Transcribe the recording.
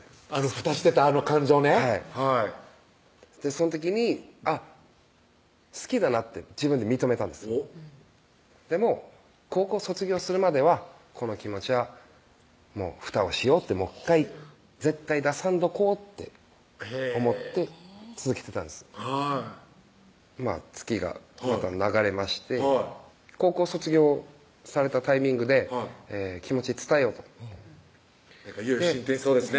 ふたしてたあの感情ねはいその時にあっ好きだなって自分で認めたんですおっでも高校卒業するまではこの気持ちはふたをしようってもう１回絶対出さんとこうって思って続けてたんです月がまた流れましてはい高校卒業されたタイミングで気持ち伝えようといよいよ進展しそうですね